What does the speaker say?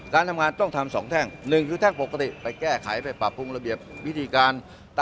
การทำงานต้องทำ๒แท่งหนึ่งคือแท่งปกติไปแก้ไขไปปรับปรุงระเบียบวิธีการ